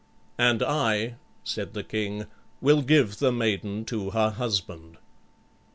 "And I," said the king, "will give the maiden to her husband."